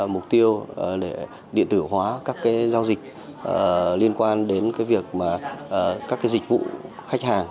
mục tiêu để điện tử hóa các giao dịch liên quan đến việc các dịch vụ khách hàng